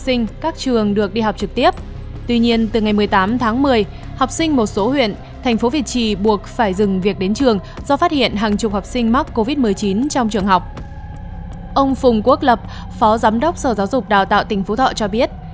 ông phùng quốc lập phó giám đốc sở giáo dục đào tạo tỉnh phú thọ cho biết